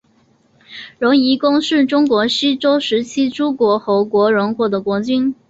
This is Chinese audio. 荣夷公是中国西周时期诸侯国荣国的国君。